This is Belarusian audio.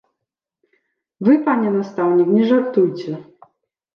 Вы, пане настаўнік, не жартуйце.